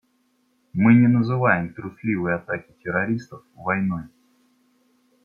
Мы не называем трусливые атаки террористов войной.